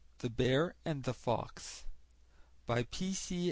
THE BEAR AND THE FOX By P. C.